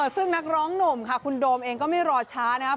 ซึ่งนักร้องหนุ่มค่ะคุณโดมเองก็ไม่รอช้านะครับ